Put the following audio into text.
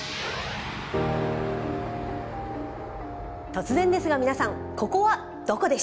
突然ですが皆さんここはどこでしょう？